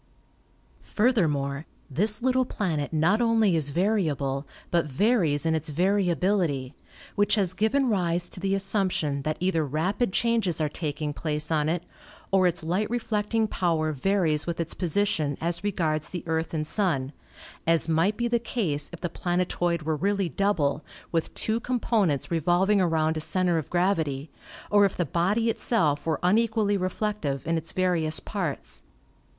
Furthermore, this little planet not only is variable but varies in its variability, which has given rise to the as sumption that either rapid changes are taking place on it, or its light reflecting power varies with its position as re gards the Earth and Sun, as might be the case if the planetoid were really double, with two components re volving around a center of gravity, or if the body itself were unequally reflective in its various parts.